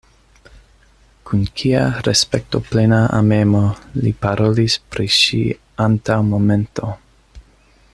Kun kia respektoplena amemo li parolis pri ŝi antaŭ momento.